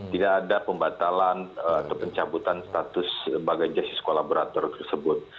tidak ada pembatalan atau pencabutan status sebagai justice kolaborator tersebut